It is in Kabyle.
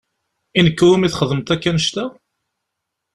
I nekk i wumi txedmeḍ akk annect-a?